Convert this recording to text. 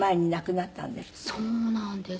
そうなんです。